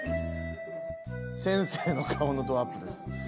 先生の顔のドアップです。